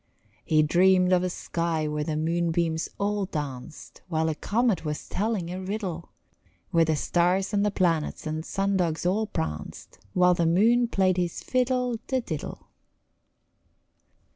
He dreamed of a sky where the moonbeams all danced While a comet was telling a riddle, Where the stars and the planets and sun dogs all pranced While the moon played his fiddle de diddle.